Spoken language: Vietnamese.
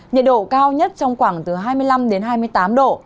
nhiệt độ cao nhất trong khoảng từ hai mươi năm đến hai mươi tám độ